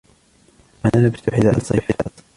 أنا لبست حذاء الضيف